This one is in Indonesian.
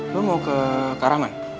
lo mau ke karangan